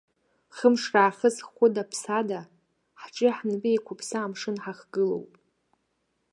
Хымш раахыс хәыдаԥсада, ҳҿи хнапи еиқәыԥса амшын ҳахгылоуп.